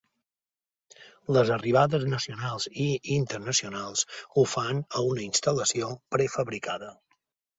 Les arribades nacionals i internacionals ho fan a una instal·lació prefabricada.